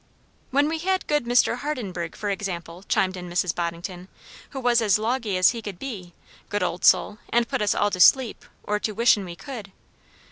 _" "When we had good Mr. Hardenburgh, for example," chimed in Mrs. Boddington, "who was as loggy as he could be; good old soul! and put us all to sleep, or to wishin' we could.